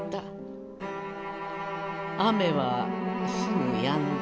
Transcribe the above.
雨はすぐ止んだ」。